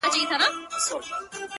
• هم پخپله څاه کینو هم پکښي لوېږو,